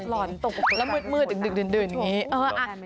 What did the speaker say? แล้วมืดเดินอย่างนี้